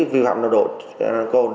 vi phạm nồng độ cồn